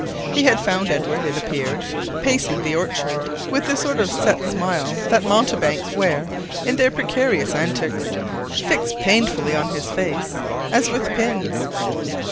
He had found Edward, it appeared, pacing the orchard, with the sort of set smile that mountebanks wear in their precarious antics, fixed painfully on his face, as with pins.